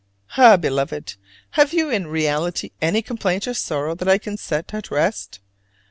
Ah, Beloved, have you in reality any complaint, or sorrow that I can set at rest?